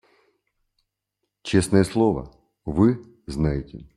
Честное слово, вы знаете.